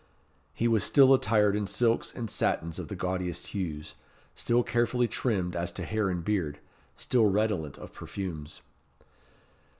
He was still attired in silks and satins of the gaudiest hues, still carefully trimmed as to hair and beard, still redolent of perfumes.